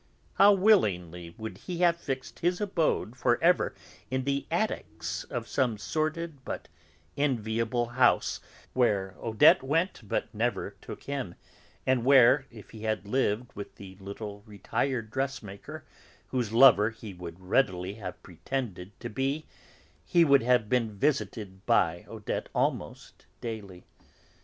How willingly would he have fixed his abode for ever in the attics of some sordid but enviable house, where Odette went but never took him, and where, if he had lived with the little retired dressmaker, whose lover he would readily have pretended to be, he would have been visited by Odette almost daily.